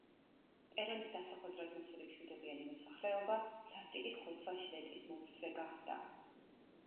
პერონის დასახვედრად მოსული მშვიდობიანი მოსახლეობა სასტიკი ხოცვა-ჟლეტის მომსწრე გახდა.